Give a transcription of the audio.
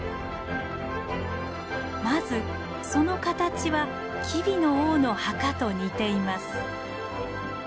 まずその形は吉備の王の墓と似ています。